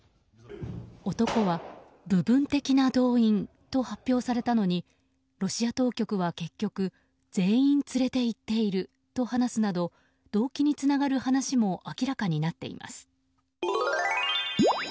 男は部分的な動員と発表されたのにロシア当局は、結局全員連れて行っていると話すなど動機につながる話も明らかになっています。